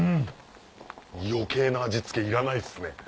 余計な味付けいらないっすね。